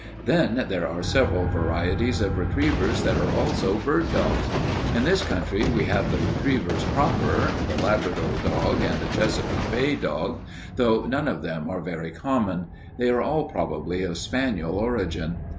"Then there are several varieties of retrievers that are also bird dogs. In this country we have the retrievers proper, the Labrador dog, and the Chesapeake Bay dog, though none of them are very common. They are all probably of spaniel origin.